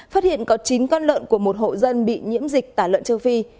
phát hiện có chín con lợn của một hộ dân bị nhiễm dịch tả lợn châu phi